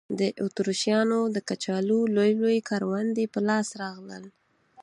د اتریشیانو د کچالو لوی لوی کروندې په لاس راغلل.